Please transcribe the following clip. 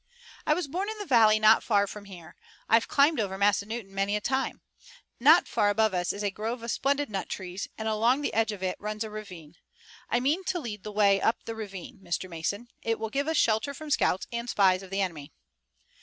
"I was born in the valley not far from here. I've climbed over Massanutton many a time. Not far above us is a grove of splendid nut trees, and along the edge of it runs a ravine. I mean to lead the way up the ravine, Mr. Mason. It will give us shelter from the scouts and spies of the enemy."